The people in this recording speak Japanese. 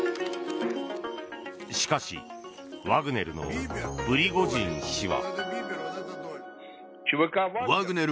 しかし、ワグネルのプリゴジン氏は。